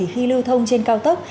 khi lưu thông trên cao tốc